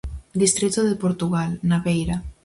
Distrito de Portugal, na Beira.